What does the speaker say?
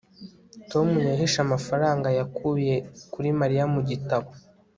tom yahishe amafaranga yakuye kuri mariya mu gitabo